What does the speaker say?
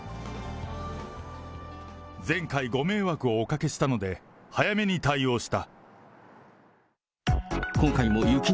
前回、ご迷惑をおかけしたので、早めに対応した。